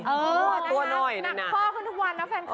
เอางั่วตัวหน่อยหน่อยนะ